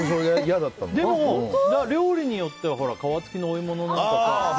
でも料理によっては皮付きのお芋のとかさ。